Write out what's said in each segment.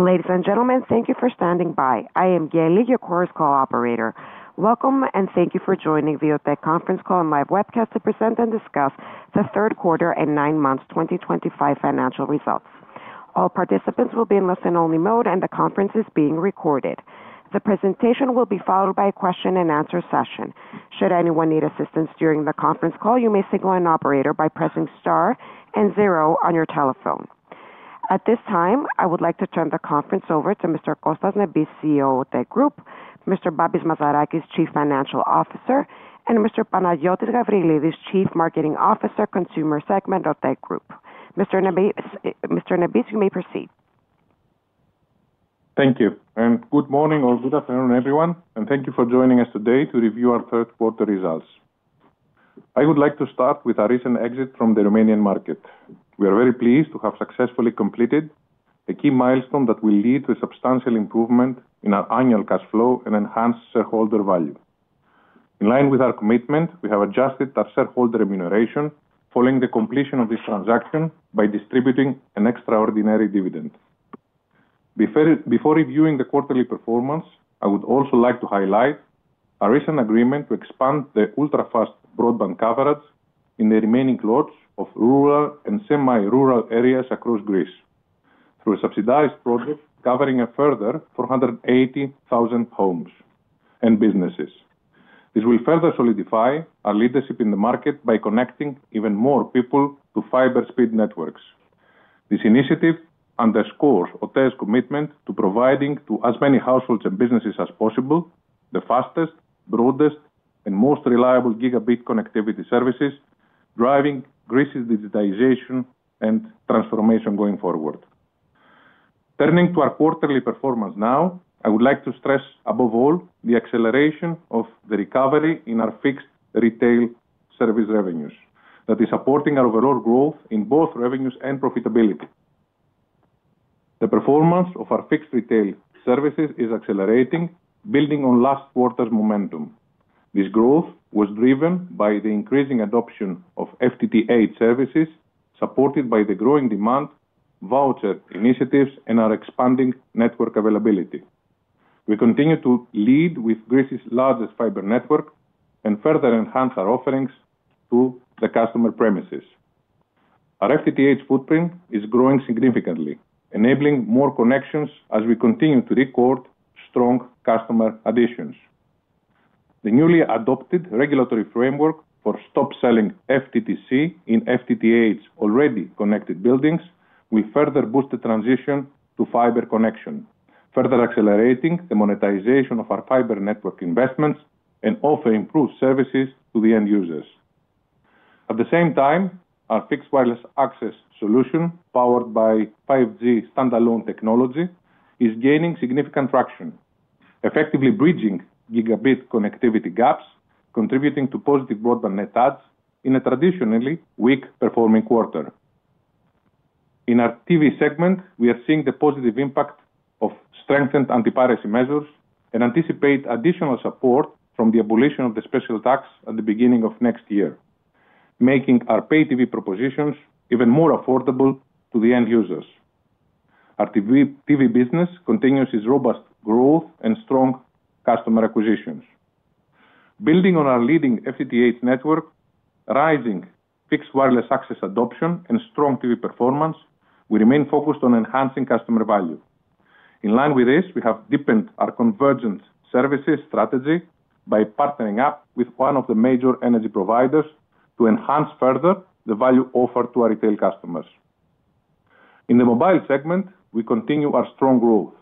Ladies and gentlemen, thank you for standing by. I am Gaelic, your chorus call operator. Welcome and thank you for joining the OTE conference call and live webcast to present and discuss the third quarter and nine months 2025 financial results. All participants will be in listen-only mode and the conference is being recorded. The presentation will be followed by a question-and-answer session. Should anyone need assistance during the conference call, you may signal an operator by pressing star and zero on your telephone. At this time, I would like to turn the conference over to Mr. Kostas Nebis, CEO of OTE Group, Mr. Babis Mazarakis, Chief Financial Officer, and Mr. Panayiotis Gabrielides, Chief Marketing Officer, Consumer Segment of OTE Group. Mr. Nebis, you may proceed. Thank you. Good morning or good afternoon, everyone. Thank you for joining us today to review our third quarter results. I would like to start with our recent exit from the Romanian market. We are very pleased to have successfully completed a key milestone that will lead to a substantial improvement in our annual cash flow and enhanced shareholder value. In line with our commitment, we have adjusted our shareholder remuneration following the completion of this transaction by distributing an extraordinary dividend. Before reviewing the quarterly performance, I would also like to highlight our recent agreement to expand the ultra-fast broadband coverage in the remaining lots of rural and semi-rural areas across Greece through a subsidized project covering a further 480,000 homes and businesses. This will further solidify our leadership in the market by connecting even more people to fiber speed networks. This initiative underscores OTE's commitment to providing to as many households and businesses as possible the fastest, broadest, and most reliable gigabit connectivity services, driving Greece's digitization and transformation going forward. Turning to our quarterly performance now, I would like to stress above all the acceleration of the recovery in our fixed retail service revenues that is supporting our overall growth in both revenues and profitability. The performance of our fixed retail services is accelerating, building on last quarter's momentum. This growth was driven by the increasing adoption of FTTH services supported by the growing demand, voucher initiatives, and our expanding network availability. We continue to lead with Greece's largest fiber network and further enhance our offerings to the customer premises. Our FTTH footprint is growing significantly, enabling more connections as we continue to record strong customer additions. The newly adopted regulatory framework for stop selling FTTC in FTTH's already connected buildings will further boost the transition to fiber connection, further accelerating the monetization of our fiber network investments and offering improved services to the end users. At the same time, our fixed wireless access solution, powered by 5G Standalone technology, is gaining significant traction, effectively bridging gigabit connectivity gaps, contributing to positive broadband net adds in a traditionally weak performing quarter. In our TV segment, we are seeing the positive impact of strengthened anti-piracy measures and anticipate additional support from the abolition of the special tax at the beginning of next year, making our Pay TV propositions even more affordable to the end users. Our TV business continues its robust growth and strong customer acquisitions. Building on our leading FTTH network, rising fixed wireless access adoption, and strong TV performance, we remain focused on enhancing customer value. In line with this, we have deepened our convergence services strategy by partnering up with one of the major energy providers to enhance further the value offered to our retail customers. In the mobile segment, we continue our strong growth,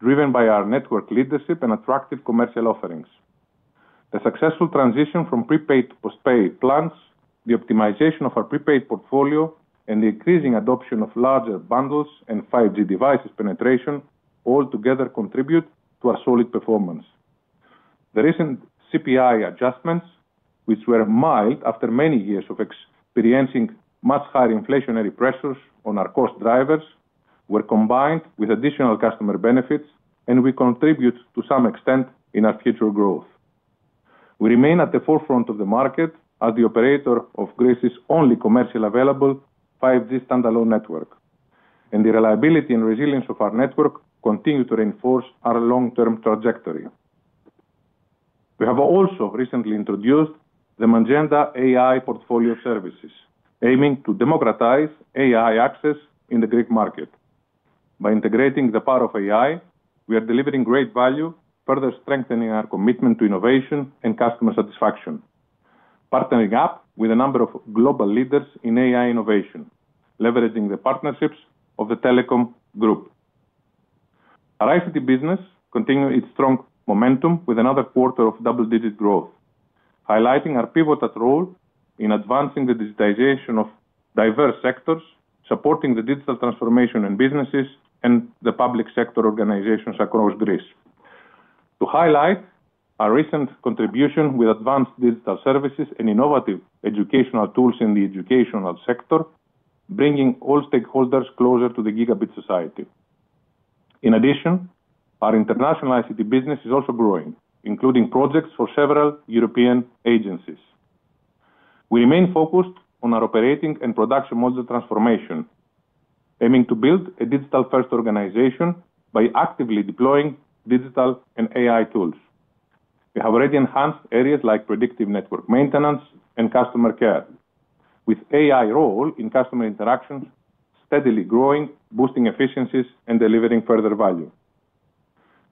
driven by our network leadership and attractive commercial offerings. The successful transition from prepaid to postpaid plans, the optimization of our prepaid portfolio, and the increasing adoption of larger bundles and 5G devices penetration all together contribute to our solid performance. The recent CPI adjustments, which were mild after many years of experiencing much higher inflationary pressures on our cost drivers, were combined with additional customer benefits, and we contribute to some extent in our future growth. We remain at the forefront of the market as the operator of Greece's only commercially available 5G Standalone network, and the reliability and resilience of our network continue to reinforce our long-term trajectory. We have also recently introduced the Magenta AI Portfolio Services, aiming to democratize AI access in the Greek market. By integrating the power of AI, we are delivering great value, further strengthening our commitment to innovation and customer satisfaction, partnering up with a number of global leaders in AI innovation, leveraging the partnerships of the Telecom Group. Our ICT business continues its strong momentum with another quarter of double-digit growth, highlighting our pivotal role in advancing the digitization of diverse sectors, supporting the digital transformation in businesses and the public sector organizations across Greece. To highlight our recent contribution with advanced digital services and innovative educational tools in the educational sector, bringing all stakeholders closer to the gigabit society. In addition, our international ICT business is also growing, including projects for several European agencies. We remain focused on our operating and production model transformation, aiming to build a digital-first organization by actively deploying digital and AI tools. We have already enhanced areas like predictive network maintenance and customer care, with AI's role in customer interactions steadily growing, boosting efficiencies and delivering further value.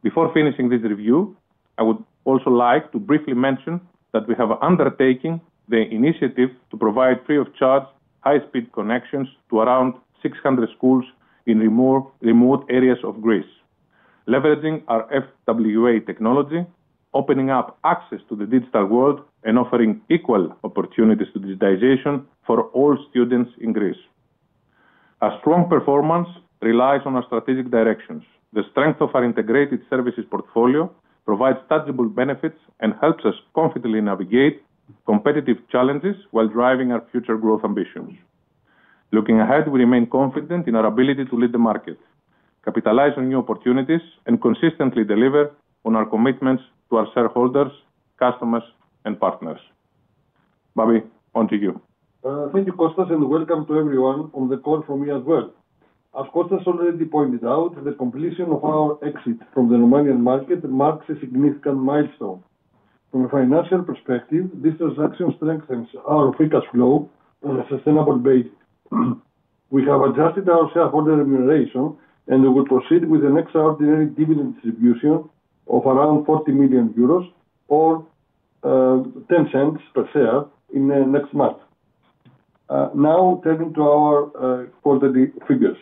Before finishing this review, I would also like to briefly mention that we have undertaken the initiative to provide free-of-charge high-speed connections to around 600 schools in remote areas of Greece, leveraging our FWA technology, opening up access to the digital world, and offering equal opportunities to digitization for all students in Greece. Our strong performance relies on our strategic directions. The strength of our integrated services portfolio provides tangible benefits and helps us confidently navigate competitive challenges while driving our future growth ambitions. Looking ahead, we remain confident in our ability to lead the market, capitalize on new opportunities, and consistently deliver on our commitments to our shareholders, customers, and partners. Babis, on to you. Thank you, Kostas, and welcome to everyone on the call from me as well. As Kostas already pointed out, the completion of our exit from the Romanian market marks a significant milestone. From a financial perspective, this transaction strengthens our Free Cash Flow on a sustainable basis. We have adjusted our shareholder remuneration, and we will proceed with an extraordinary dividend distribution of around 40 million euros or 0.10 per share in the next month. Now, turning to our quarterly figures.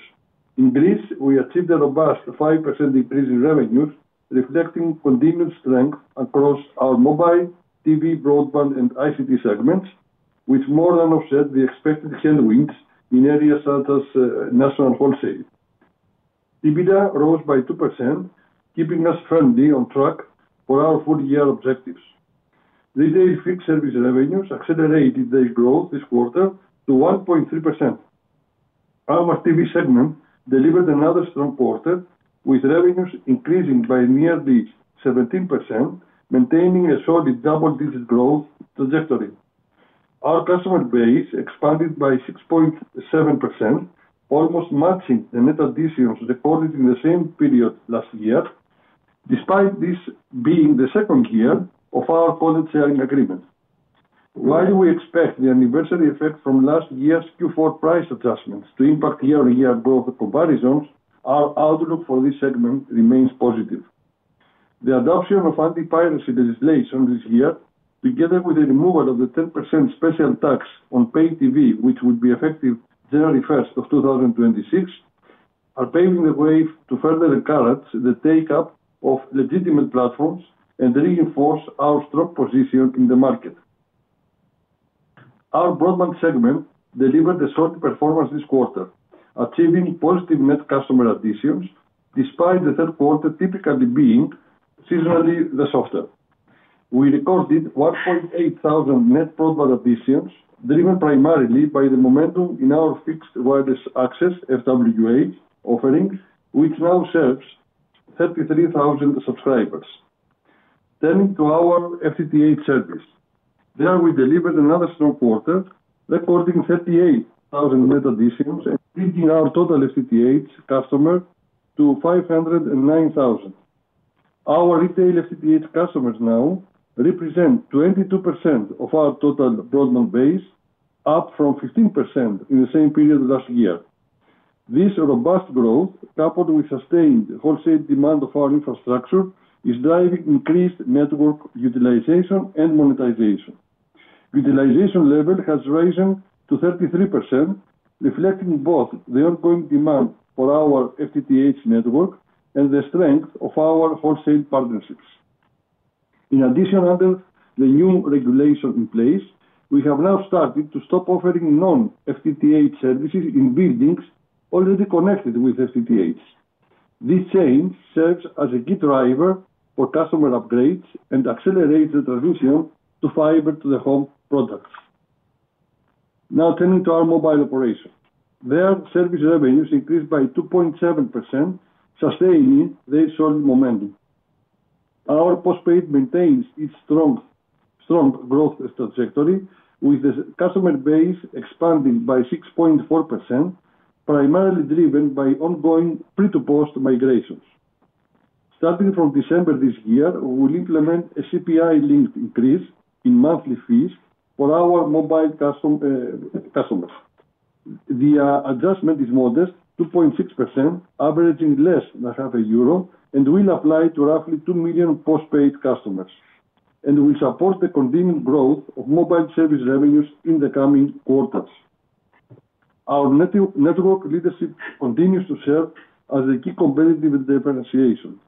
In Greece, we achieved a robust 5% increase in revenues, reflecting continued strength across our mobile, TV, broadband, and ICT segments, which more than offset the expected headwinds in areas such as national wholesale. EBITDA rose by 2%, keeping us firmly on track for our full-year objectives. Retail fixed service revenues accelerated their growth this quarter to 1.3%. Our TV segment delivered another strong quarter, with revenues increasing by nearly 17%, maintaining a solid double-digit growth trajectory. Our customer base expanded by 6.7%, almost matching the net additions recorded in the same period last year, despite this being the second year of our college selling agreement. While we expect the anniversary effect from last year's Q4 price adjustments to impact year-on-year growth comparisons, our outlook for this segment remains positive. The adoption of Anti-Piracy Legislation this year, together with the removal of the 10% special tax on pay TV, which will be effective January 1st of 2026, are paving the way to further encourage the take-up of legitimate platforms and reinforce our strong position in the market. Our broadband segment delivered a solid performance this quarter, achieving positive net customer additions despite the third quarter typically being seasonally the softer. We recorded 1,800 net broadband additions, driven primarily by the momentum in our fixed wireless access FWA offering, which now serves 33,000 subscribers. Turning to our FTTH service, there we delivered another strong quarter, recording 38,000 net additions and increasing our total FTTH customer to 509,000. Our retail FTTH customers now represent 22% of our total broadband base, up from 15% in the same period last year. This robust growth, coupled with sustained wholesale demand of our infrastructure, is driving increased network utilization and monetization. Utilization level has risen to 33%, reflecting both the ongoing demand for our FTTH network and the strength of our wholesale partnerships. In addition, under the new regulation in place, we have now started to stop offering non-FTTH services in buildings already connected with FTTH. This change serves as a key driver for customer upgrades and accelerates the transition to fiber-to-the-home products. Now, turning to our mobile operation, their service revenues increased by 2.7%, sustaining their solid momentum. Our postpaid maintains its strong growth trajectory, with the customer base expanding by 6.4%, primarily driven by ongoing pre-to-post migrations. Starting from December this year, we will implement a CPI-linked increase in monthly fees for our mobile customers. The adjustment is modest, 2.6%, averaging less than EUR 0.50, and will apply to roughly 2 million postpaid customers, and will support the continued growth of mobile service revenues in the coming quarters. Our network leadership continues to serve as a key competitive differentiation.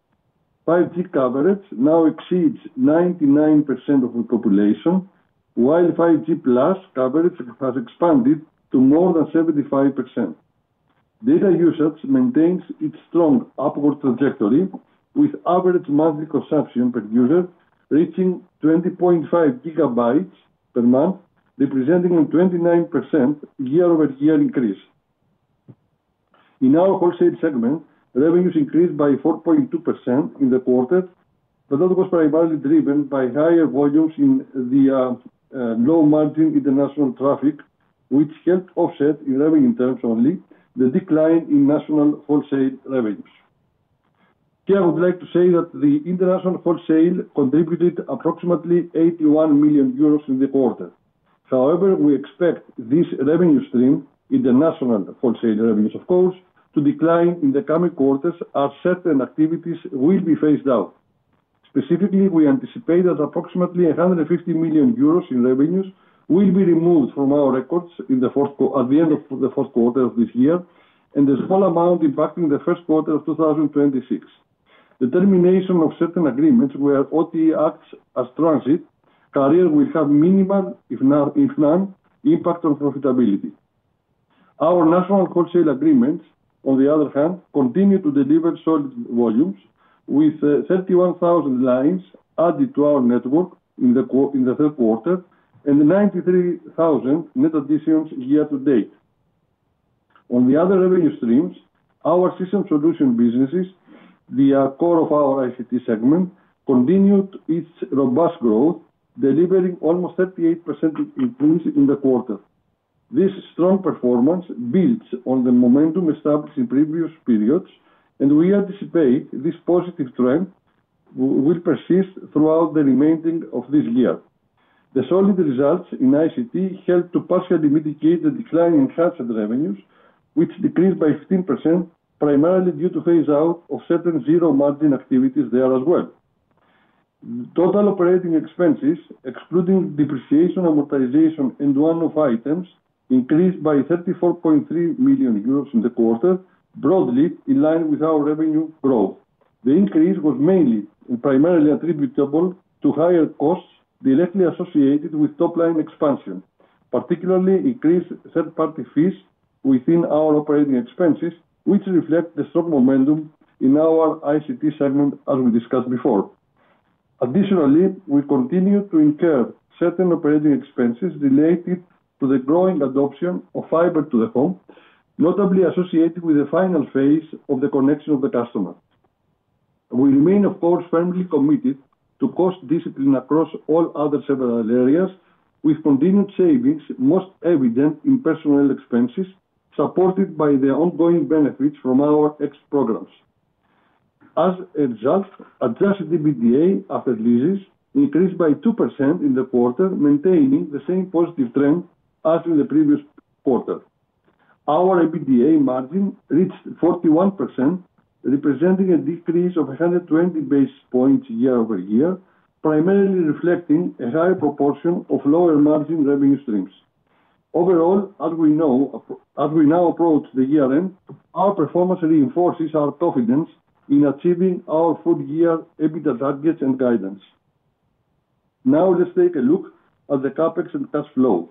5G coverage now exceeds 99% of the population, while 5G Plus coverage has expanded to more than 75%. Data usage maintains its strong upward trajectory, with average monthly consumption per user reaching 20.5 GB per month, representing a 29% year-over-year increase. In our wholesale segment, revenues increased by 4.2% in the quarter, but that was primarily driven by higher volumes in the low-margin international traffic, which helped offset in revenue terms only the decline in national wholesale revenues. Here, I would like to say that the international wholesale contributed approximately 81 million euros in the quarter. However, we expect this revenue stream, international wholesale revenues, of course, to decline in the coming quarters as certain activities will be phased out. Specifically, we anticipate that approximately 150 million euros in revenues will be removed from our records at the end of the fourth quarter of this year and the small amount impacting the first quarter of 2026. The termination of certain agreements, where OTE acts as transit carrier, will have minimal, if any, impact on profitability. Our national wholesale agreements, on the other hand, continue to deliver solid volumes with 31,000 lines added to our network in the third quarter and 93,000 net additions year to date. On the other revenue streams, our system solution businesses, the core of our ICT segment, continued its robust growth, delivering almost 38% increase in the quarter. This strong performance builds on the momentum established in previous periods, and we anticipate this positive trend will persist throughout the remainder of this year. The solid results in ICT helped to partially mitigate the decline in headset revenues, which decreased by 15%, primarily due to phase-out of certain zero-margin activities there as well. Total operating expenses, excluding depreciation, amortization, and one-off items, increased by 34.3 million euros in the quarter, broadly in line with our revenue growth. The increase was mainly and primarily attributable to higher costs directly associated with top-line expansion, particularly increased third-party fees within our operating expenses, which reflect the strong momentum in our ICT segment, as we discussed before. Additionally, we continue to incur certain operating expenses related to the growing adoption of fiber-to-the-home, notably associated with the final phase of the connection of the customer. We remain, of course, firmly committed to cost discipline across all other several areas, with continued savings most evident in personnel expenses, supported by the ongoing benefits from our exit programs. As a result, Adjusted EBITDA after leases increased by 2% in the quarter, maintaining the same positive trend as in the previous quarter. Our EBITDA margin reached 41%, representing a decrease of 120 basis points year-over-year, primarily reflecting a higher proportion of lower-margin revenue streams. Overall, as we know, as we now approach the year-end, our performance reinforces our confidence in achieving our full-year EBITDA targets and guidance. Now, let's take a look at the CapEx and cash flows.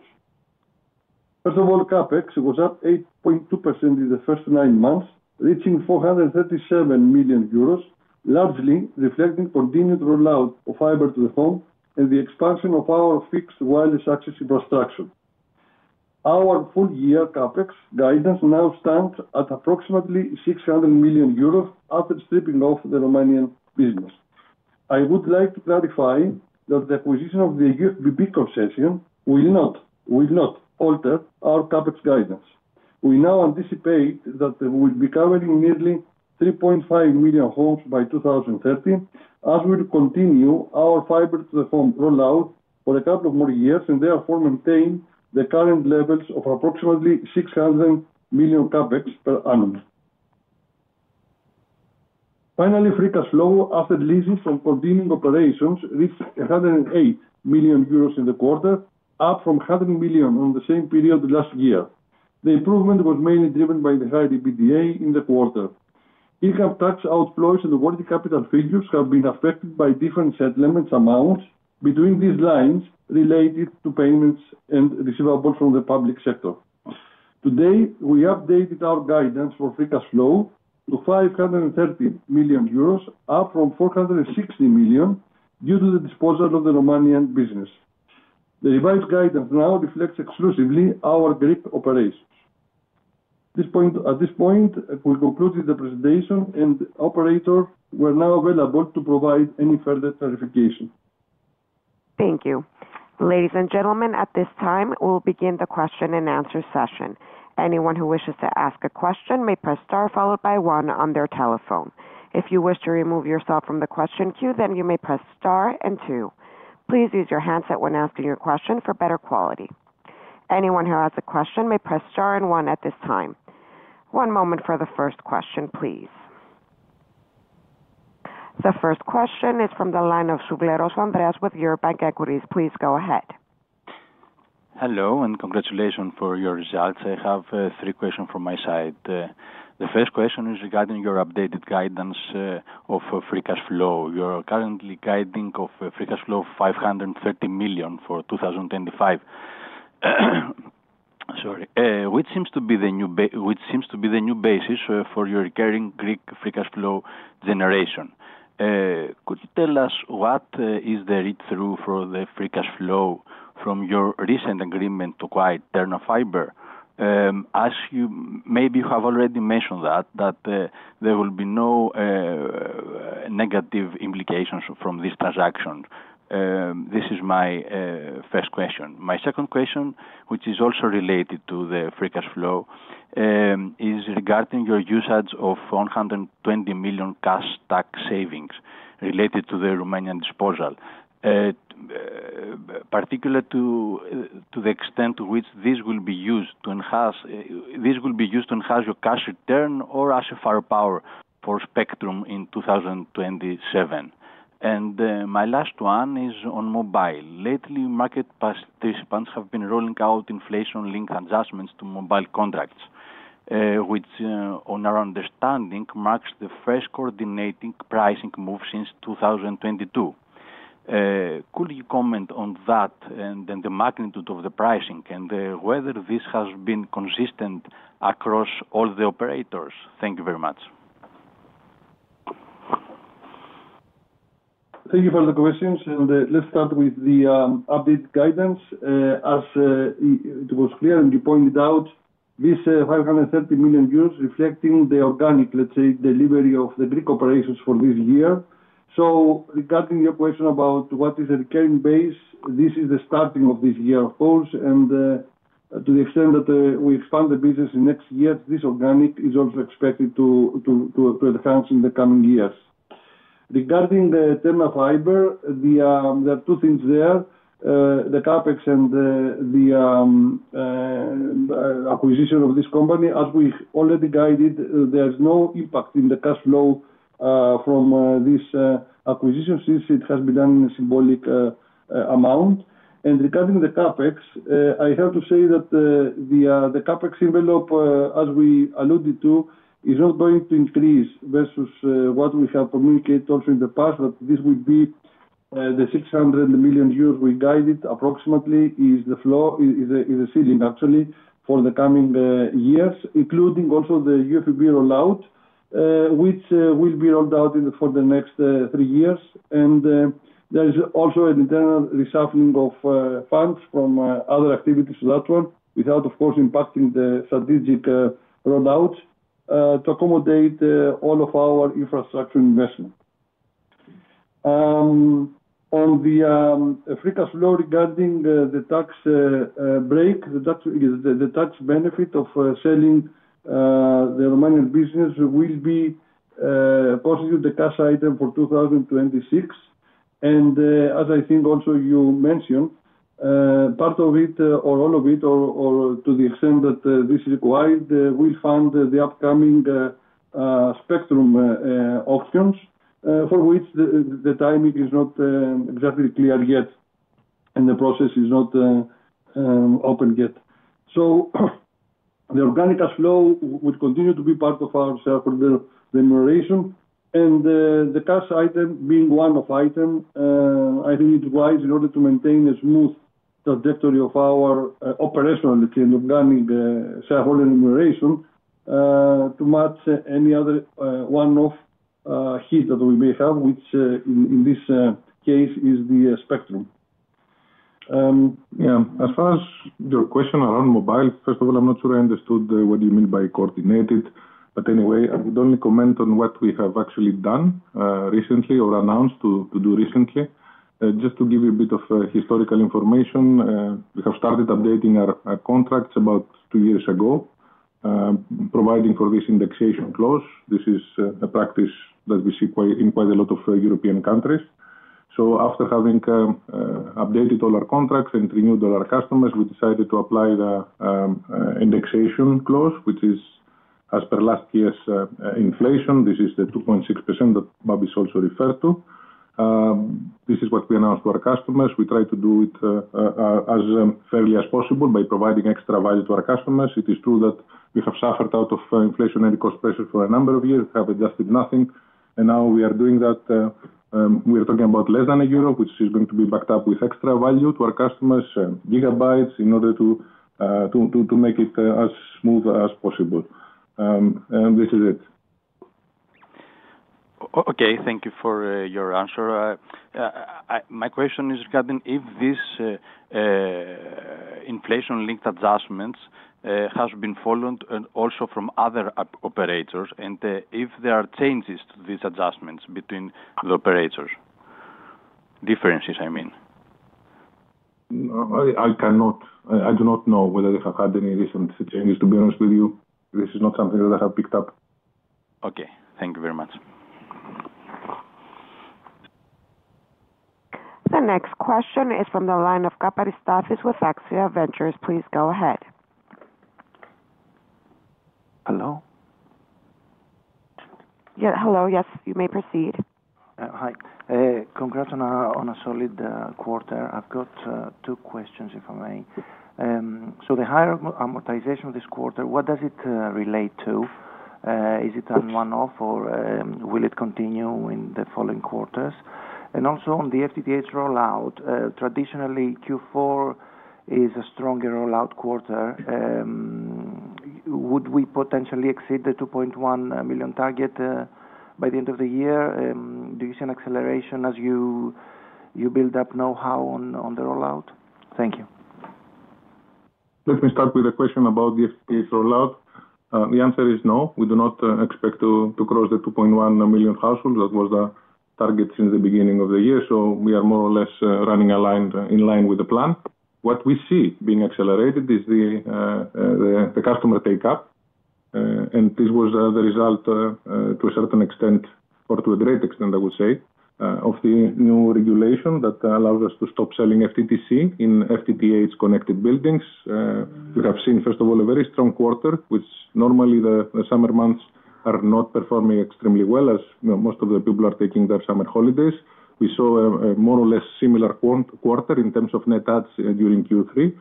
First of all, CapEx was up 8.2% in the first nine months, reaching 437 million euros, largely reflecting continued rollout of fiber-to-the-home and the expansion of our fixed wireless access infrastructure. Our full-year CapEx guidance now stands at approximately 600 million euros after stripping off the Romanian business. I would like to clarify that the acquisition of the USBB concession will not alter our CapEx guidance. We now anticipate that we will be covering nearly 3.5 million homes by 2030, as we will continue our fiber-to-the-home rollout for a couple of more years and therefore maintain the current levels of approximately 600 million CapEx per annum. Finally, Free Cash Flow after leases from continuing operations reached 108 million euros in the quarter, up from 100 million in the same period last year. The improvement was mainly driven by the higher EBITDA in the quarter. Income tax outflows and working capital figures have been affected by different settlement amounts between these lines related to payments and receivables from the public sector. Today, we updated our guidance for Free Cash Flow to 530 million euros, up from 460 million due to the disposal of the Romanian business. The revised guidance now reflects exclusively our grid operations. At this point, we concluded the presentation, and operators were now available to provide any further clarification. Thank you. Ladies and gentlemen, at this time, we'll begin the question-and-answer session. Anyone who wishes to ask a question may press star followed by one on their telephone. If you wish to remove yourself from the question queue, then you may press star and two. Please use your handset when asking your question for better quality. Anyone who has a question may press star and one at this time. One moment for the first question, please. The first question is from the line of Souvleros, Andreas with Eurobank Equities. Please go ahead. Hello, and congratulations for your results. I have three questions from my side. The first question is regarding your updated guidance of Free Cash Flow. You're currently guiding Free Cash Flow of 530 million for 2025, which seems to be the new basis for your recurring Greek Free Cash Flow generation. Could you tell us what is the read-through for the Free Cash Flow from your recent agreement to acquire TERNA FIBER? Maybe you have already mentioned that there will be no negative implications from this transaction. This is my first question. My second question, which is also related to the Free Cash Flow, is regarding your usage of 120 million cash tax savings related to the Romanian disposal, particularly to the extent to which this will be used to enhance your cash return or SFR Power for Spectrum in 2027. And my last one is on mobile. Lately, market participants have been rolling out inflation-linked adjustments to mobile contracts, which, on our understanding, marks the first coordinating pricing move since 2022. Could you comment on that and the magnitude of the pricing and whether this has been consistent across all the operators? Thank you very much. Thank you for the questions. Let's start with the updated guidance. As it was clear and you pointed out, these 530 million euros reflect the organic, let's say, delivery of the Greek operations for this year. Regarding your question about what is the recurring base, this is the starting of this year, of course. To the extent that we expand the business in next year, this organic is also expected to enhance in the coming years. Regarding TERNA FIBER, there are two things there: the CapEx and the acquisition of this company. As we already guided, there is no impact in the cash flow from this acquisition since it has been done in a symbolic amount. Regarding the CapEx, I have to say that the CapEx envelope, as we alluded to, is not going to increase versus what we have communicated also in the past. This will be the 600 million euros we guided approximately, which is the ceiling, actually, for the coming years, including also the USBB rollout, which will be rolled out for the next three years. There is also an internal reshuffling of funds from other activities to that one, without, of course, impacting the strategic rollout to accommodate all of our infrastructure investment. On the Free Cash Flow regarding the tax break, the tax benefit of selling the Romanian business will be posted to the cash item for 2026. As I think also you mentioned, part of it, or all of it, or to the extent that this is required, we'll fund the upcoming spectrum options, for which the timing is not exactly clear yet, and the process is not open yet. The organic cash flow will continue to be part of our shareholder remuneration. The cash item, being one-off item, I think it requires, in order to maintain a smooth trajectory of our operational, let's say, and organic shareholder remuneration, to match any other one-off hit that we may have, which in this case is the spectrum. Yeah. As far as your question around mobile, first of all, I'm not sure I understood what you meant by coordinated. Anyway, I would only comment on what we have actually done recently or announced to do recently. Just to give you a bit of historical information, we have started updating our contracts about two years ago, providing for this indexation clause. This is a practice that we see in quite a lot of European countries. After having updated all our contracts and renewed all our customers, we decided to apply the indexation clause, which is, as per last year's inflation, this is the 2.6% that Babis has also referred to. This is what we announced to our customers. We try to do it as fairly as possible by providing extra value to our customers. It is true that we have suffered out of inflationary cost pressures for a number of years, have adjusted nothing. Now we are doing that. We are talking about less than EUR 1, which is going to be backed up with extra value to our customers, GB, in order to make it as smooth as possible. This is it. Okay. Thank you for your answer. My question is regarding if this inflation-linked adjustment has been followed also from other operators and if there are changes to these adjustments between the operators, differences, I mean. I cannot. I do not know whether they have had any recent changes, to be honest with you. This is not something that I have picked up. Okay. Thank you very much. The next question is from the line of Kaparis, Stathis with AXIA Ventures. Please go ahead. Hello? Yeah. Hello. Yes, you may proceed. Hi. Congrats on a solid quarter. I've got two questions, if I may. The higher amortization this quarter, what does it relate to? Is it a one-off, or will it continue in the following quarters? Also, on the FTTH rollout, traditionally, Q4 is a stronger rollout quarter. Would we potentially exceed the 2.1 million target by the end of the year? Do you see an acceleration as you build up know-how on the rollout? Thank you. Let me start with a question about the FTTH rollout. The answer is no. We do not expect to cross the 2.1 million households. That was the target since the beginning of the year. We are more or less running in line with the plan. What we see being accelerated is the customer take-up. This was the result, to a certain extent, or to a great extent, I would say, of the new regulation that allows us to stop selling FTTC in FTTH-connected buildings. We have seen, first of all, a very strong quarter, which normally the summer months are not performing extremely well, as most of the people are taking their summer holidays. We saw a more or less similar quarter in terms of net adds during Q3.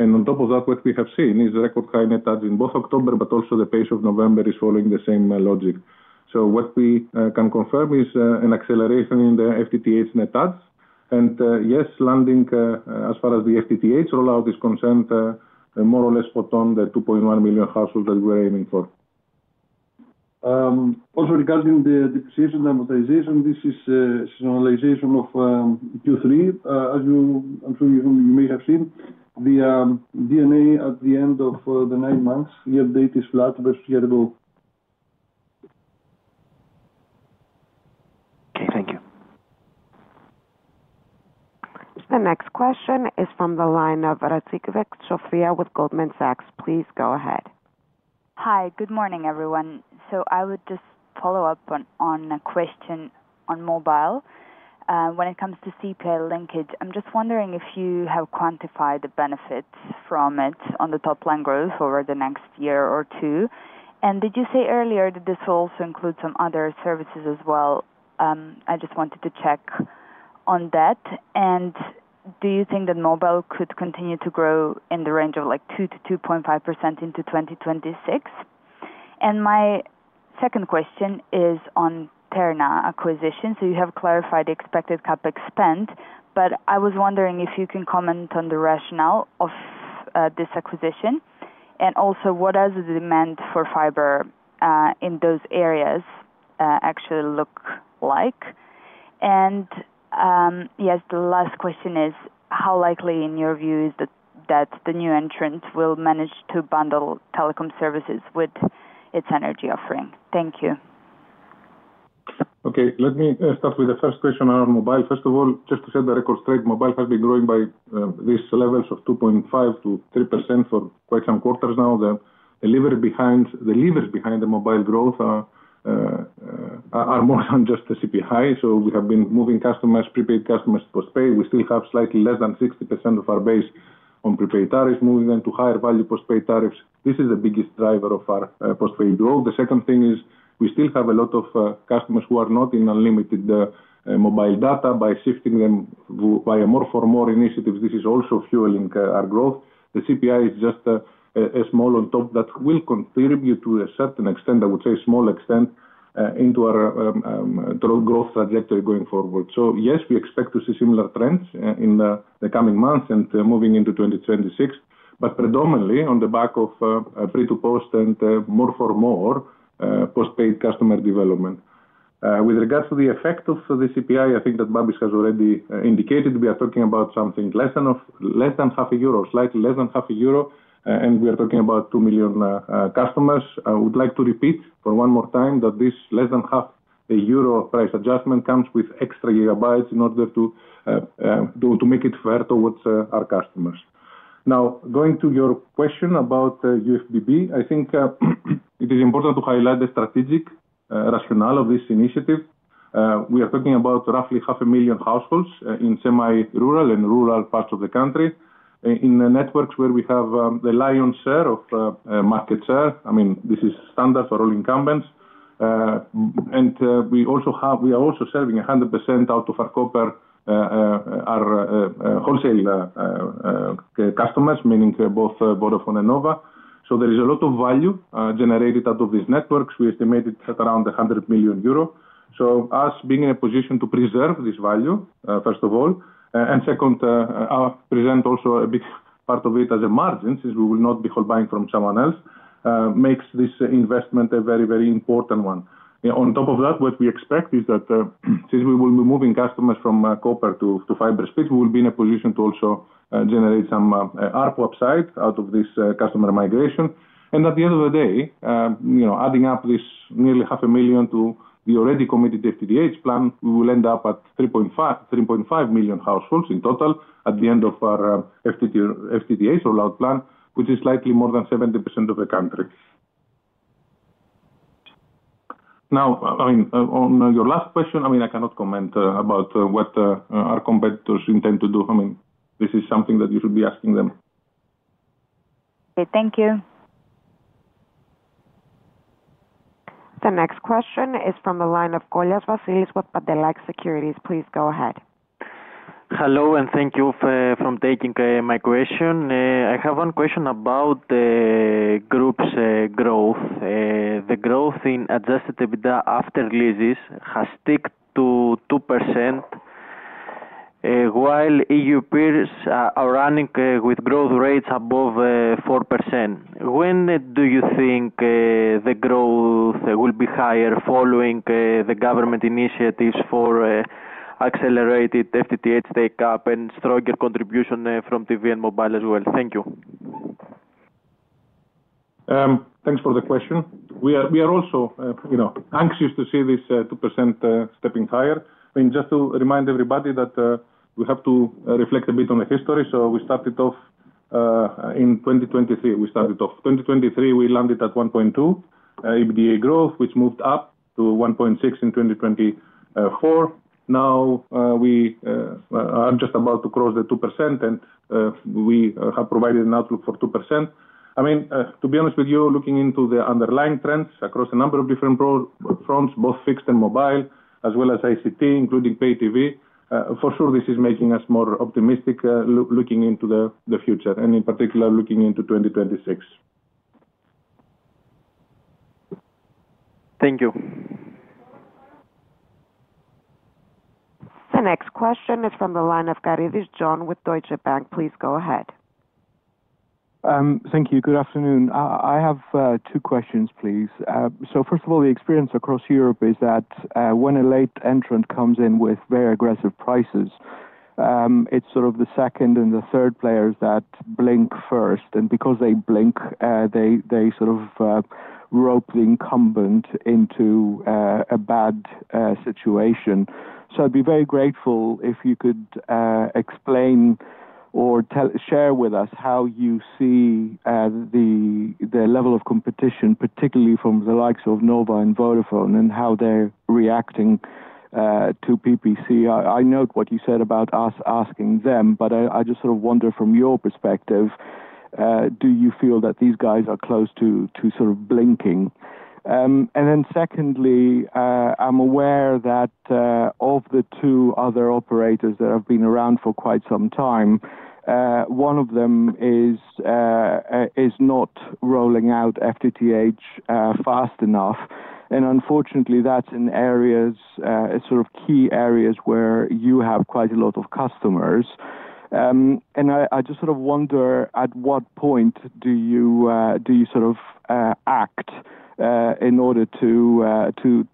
On top of that, what we have seen is record high net adds in both October, but also the pace of November is following the same logic. What we can confirm is an acceleration in the FTTH net adds. Yes, landing, as far as the FTTH rollout is concerned, more or less spot on the 2.1 million households that we were aiming for. Also, regarding the depreciation and amortization, this is a normalization of Q3. As you, I'm sure you may have seen, the D&A at the end of the nine months, year-to-date, is flat versus year-to-go. Okay. Thank you. The next question is from the line of Rakicevic, Sofija with Goldman Sachs. Please go ahead. Hi. Good morning, everyone. I would just follow up on a question on mobile. When it comes to CPA linkage, I'm just wondering if you have quantified the benefits from it on the top-line growth over the next year or two. Did you say earlier that this will also include some other services as well? I just wanted to check on that. Do you think that mobile could continue to grow in the range of 2%-2.5% into 2026? My second question is on TERNA acquisition. You have clarified the expected CapEx spend, but I was wondering if you can comment on the rationale of this acquisition. Also, what does the demand for fiber in those areas actually look like? Yes, the last question is, how likely, in your view, is that the new entrant will manage to bundle telecom services with its energy offering? Thank you. Okay. Let me start with the first question around mobile. First of all, just to set the record straight, mobile has been growing by these levels of 2.5%-3% for quite some quarters now. The levers behind the mobile growth are more than just the CPI high. We have been moving customers, prepaid customers to postpaid. We still have slightly less than 60% of our base on prepaid tariffs, moving them to higher-value postpaid tariffs. This is the biggest driver of our postpaid growth. The second thing is we still have a lot of customers who are not in unlimited mobile data. By shifting them via more for more initiatives, this is also fueling our growth. The CPI is just a small on top that will contribute to a certain extent, I would say, small extent into our growth trajectory going forward. Yes, we expect to see similar trends in the coming months and moving into 2026, but predominantly on the back of pre-to-post and more for more postpaid customer development. With regards to the effect of the CPI, I think that Babis has already indicated. We are talking about something less than EUR 0.50, slightly less than EUR 0.50, and we are talking about 2 million customers. I would like to repeat for one more time that this less than EUR 0.50 price adjustment comes with extra GB in order to make it fair towards our customers. Now, going to your question about USBB, I think it is important to highlight the strategic rationale of this initiative. We are talking about roughly 500,000 households in semi-rural and rural parts of the country in networks where we have the lion's share of market share. I mean, this is standard for all incumbents. We are also serving 100% of our wholesale customers, meaning both Vodafone and NOVA. There is a lot of value generated out of these networks. We estimate it is at around 100 million euro. Us being in a position to preserve this value, first of all, and second, present also a big part of it as a margin since we will not be holding from someone else, makes this investment a very, very important one. On top of that, what we expect is that since we will be moving customers from copper to FiberSpeed, we will be in a position to also generate some ARPU upside out of this customer migration. At the end of the day, adding up this nearly 500,000 to the already committed FTTH plan, we will end up at 3.5 million households in total at the end of our FTTH rollout plan, which is slightly more than 70% of the country. Now, I mean, on your last question, I mean, I cannot comment about what our competitors intend to do. I mean, this is something that you should be asking them. Okay. Thank you. The next question is from the line of Kollias, Vasilis with Pantelakis Securities. Please go ahead. Hello and thank you for taking my question. I have one question about the group's growth. The growth in Adjusted EBITDA after leases has stuck to 2%, while EU peers are running with growth rates above 4%. When do you think the growth will be higher following the government initiatives for accelerated FTTH take-up and stronger contribution from TV and Mobile as well? Thank you. Thanks for the question. We are also anxious to see this 2% stepping higher. I mean, just to remind everybody that we have to reflect a bit on the history. We started off in 2023. We started off 2023. We landed at 1.2% EBITDA growth, which moved up to 1.6% in 2024. Now we are just about to cross the 2%, and we have provided an outlook for 2%. I mean, to be honest with you, looking into the underlying trends across a number of different fronts, both fixed and mobile, as well as ICT, including pay TV, for sure, this is making us more optimistic looking into the future, and in particular, looking into 2026. Thank you. The next question is from the line of Karidis, John with Deutsche Bank. Please go ahead. Thank you. Good afternoon. I have two questions, please. First of all, the experience across Europe is that when a late entrant comes in with very aggressive prices, it is sort of the second and the third players that blink first. Because they blink, they sort of rope the incumbent into a bad situation. I would be very grateful if you could explain or share with us how you see the level of competition, particularly from the likes of NOVA and Vodafone, and how they are reacting to PPC. I note what you said about us asking them, but I just sort of wonder from your perspective, do you feel that these guys are close to sort of blinking? Secondly, I am aware that of the two other operators that have been around for quite some time, one of them is not rolling out FTTH fast enough. Unfortunately, that's in areas, sort of key areas where you have quite a lot of customers. I just sort of wonder at what point do you sort of act in order to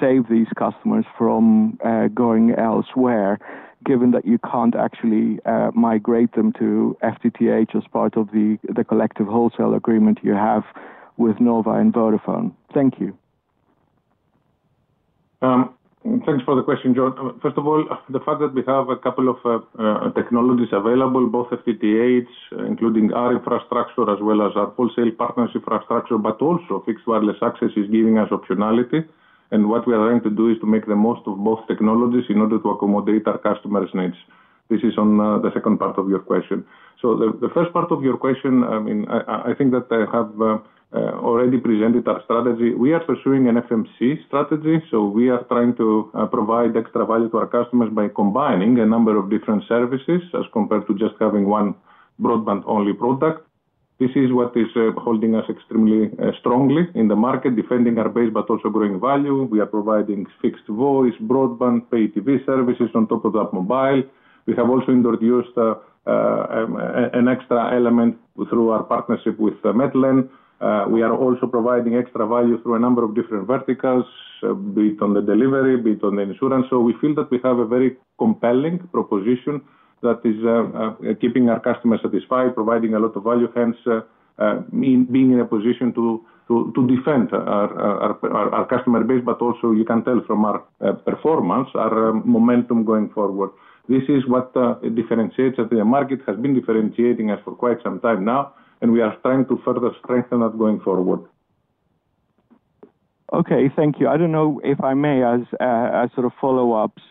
save these customers from going elsewhere, given that you can't actually migrate them to FTTH as part of the collective wholesale agreement you have with NOVA and Vodafone? Thank you. Thanks for the question, John. First of all, the fact that we have a couple of technologies available, both FTTH, including our infrastructure as well as our wholesale partnership infrastructure, but also fixed wireless access, is giving us optionality. What we are trying to do is to make the most of both technologies in order to accommodate our customers' needs. This is on the second part of your question. The first part of your question, I mean, I think that I have already presented our strategy. We are pursuing an FMC strategy. We are trying to provide extra value to our customers by combining a number of different services as compared to just having one broadband-only product. This is what is holding us extremely strongly in the market, defending our base, but also growing value. We are providing fixed voice, broadband, pay TV services. On top of that, mobile. We have also introduced an extra element through our partnership with METLEN. We are also providing extra value through a number of different verticals, be it on the delivery, be it on the insurance. We feel that we have a very compelling proposition that is keeping our customers satisfied, providing a lot of value, hence being in a position to defend our customer base, but also you can tell from our performance, our momentum going forward. This is what differentiates, that the market has been differentiating us for quite some time now, and we are trying to further strengthen that going forward. Okay. Thank you. I do not know if I may, as sort of follow-ups,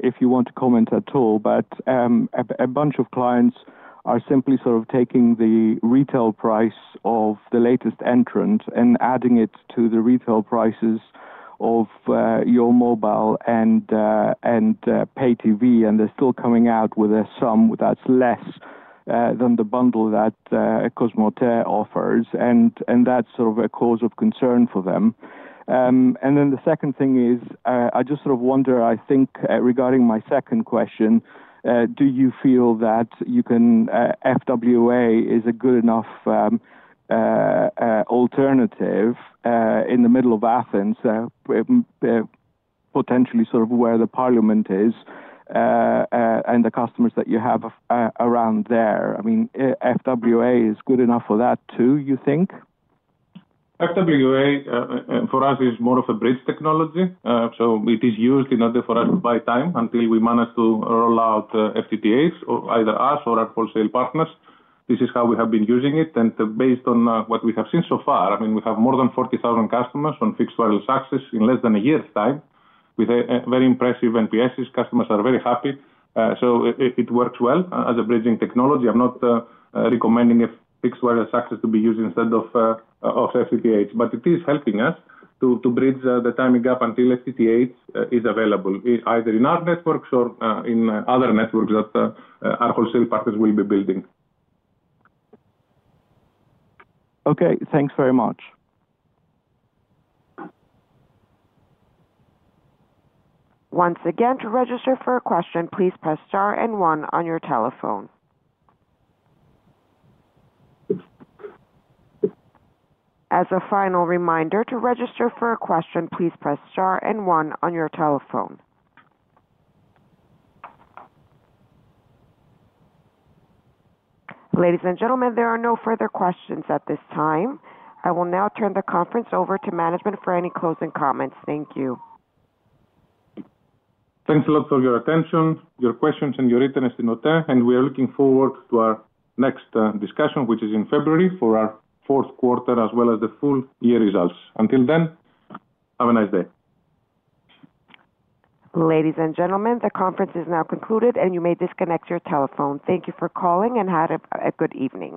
if you want to comment at all, but a bunch of clients are simply sort of taking the retail price of the latest entrant and adding it to the retail prices of your mobile and pay TV, and they are still coming out with a sum that is less than the bundle that Cosmote offers. That is sort of a cause of concern for them. The second thing is I just sort of wonder, I think regarding my second question, do you feel that FWA is a good enough alternative in the middle of Athens, potentially sort of where the Parliament is, and the customers that you have around there? I mean, FWA is good enough for that too, you think? FWA for us is more of a bridge technology. It is used in order for us to buy time until we manage to roll out FTTH, either us or our wholesale partners. This is how we have been using it. Based on what we have seen so far, I mean, we have more than 40,000 customers on fixed wireless access in less than a year's time with very impressive NPSs. Customers are very happy. It works well as a bridging technology. I'm not recommending fixed wireless access to be used instead of FTTH, but it is helping us to bridge the timing gap until FTTH is available, either in our networks or in other networks that our wholesale partners will be building. Okay. Thanks very much. Once again, to register for a question, please press star and one on your telephone. As a final reminder, to register for a question, please press star and one on your telephone. Ladies and gentlemen, there are no further questions at this time. I will now turn the conference over to management for any closing comments. Thank you. Thanks a lot for your attention, your questions, and your itinerary notes. We are looking forward to our next discussion, which is in February for our fourth quarter as well as the full year results. Until then, have a nice day. Ladies and gentlemen, the conference is now concluded, and you may disconnect your telephone. Thank you for calling and have a good evening.